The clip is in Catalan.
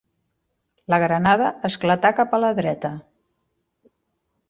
La granada esclatà cap a la dreta